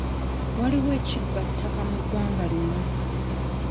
Waliwo ekibba ttaka mu ggwanga lino.